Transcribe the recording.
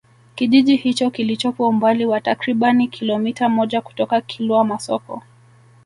Kijiji hicho kilichopo umbali wa takribani kilometa moja kutoka Kilwa Masoko